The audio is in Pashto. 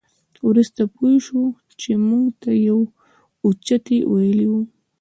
وروسته پوه شوو چې موږ ته یې اوچتې ویلې.